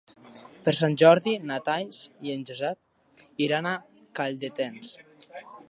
Per Sant Jordi na Thaís i en Josep iran a Calldetenes.